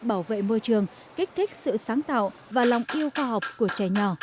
bảo vệ môi trường kích thích sự sáng tạo và lòng yêu khoa học của trẻ nhỏ